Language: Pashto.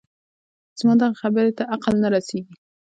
زما دغه خبرې ته عقل نه رسېږي